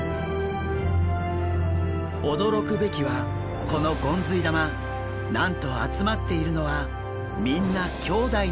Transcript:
驚くべきはこのゴンズイ玉なんと集まっているのはみんな兄弟なんです。